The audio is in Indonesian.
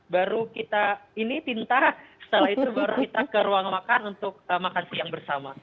baru kita ini pintar setelah itu baru kita ke ruang makan untuk makan siang bersama